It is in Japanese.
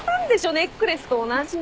ネックレスと同じの。